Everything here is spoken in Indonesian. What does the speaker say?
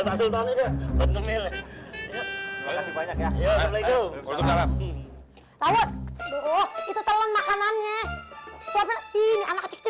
ya udah kalau gitu ya jalan ya ini bantuan